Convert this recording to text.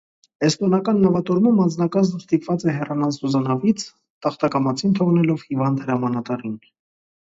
Էստոնական նավատորմում անձնակազմն ստիպված է հեռանալ սուզանավից՝ տախտակամածին թողնելով հիվանդ հրամանատարին։